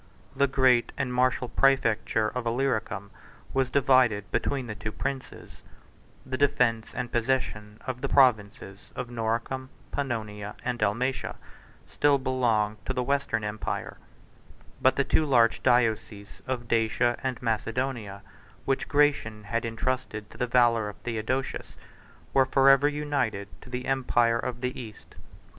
The great and martial præfecture of Illyricum was divided between the two princes: the defence and possession of the provinces of Noricum, Pannonia, and Dalmatia still belonged to the Western empire; but the two large dioceses of Dacia and Macedonia, which Gratian had intrusted to the valor of Theodosius, were forever united to the empire of the East.